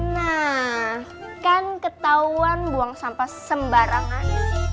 nah kan ketahuan buang sampah sembarangan